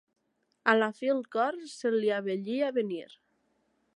A la fi el cor se li abellí a venir.